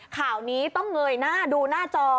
ข่าวนี้ต้องเงยหน้าดูหน้าจอ